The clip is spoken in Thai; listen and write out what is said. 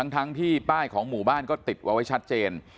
ทั้งที่ป้ายของหมู่บ้านก็ติดเอาไว้ชัดเจน